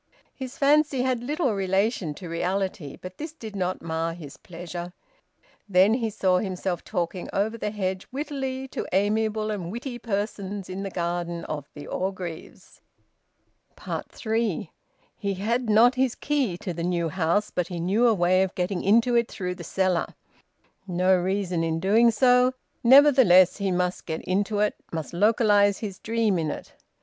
His fancy had little relation to reality. But this did not mar his pleasure... Then he saw himself talking over the hedge, wittily, to amiable and witty persons in the garden of the Orgreaves. THREE. He had not his key to the new house, but he knew a way of getting into it through the cellar. No reason in doing so; nevertheless he must get into it, must localise his dream in it!